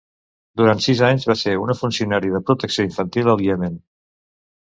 Durant sis anys va ser una funcionària de protecció infantil al Iemen.